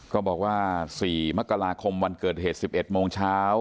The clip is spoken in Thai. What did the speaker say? ก็บอกว่าสี่มกราคมวันเกิดเหตุสิบเอ็ดโมงเช้า